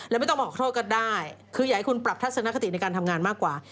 และไม่ต้องบอกโทษก็ได้คืออยากให้คุณปรับทัศนคติในการทำงานมากกว่า